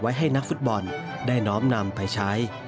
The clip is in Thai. ให้นักฟุตบอลได้น้อมนำไปใช้